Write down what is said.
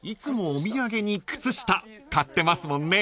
お土産に靴下買ってますもんね］